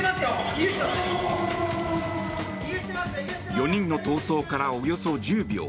４人の逃走からおよそ１０秒。